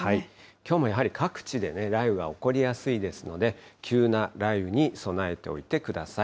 きょうもやはり各地で雷雨が起こりやすいですので、急な雷雨に備えておいてください。